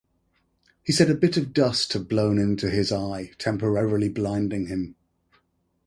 He said a bit of dust had blown into his eye, temporarily blinding him.